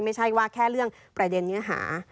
ไม่ใช่ว่าแค่เรื่องประเด็นเนื้อหา